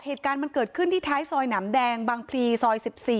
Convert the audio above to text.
เหตุการณ์มันเกิดขึ้นที่ท้ายซอยหนำแดงบางพลีซอย๑๔